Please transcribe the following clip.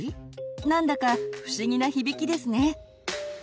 何だか不思議な響きですね。